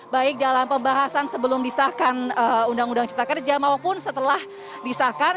baik dalam pembahasan sebelum disahkan undang undang cipta kerja maupun setelah disahkan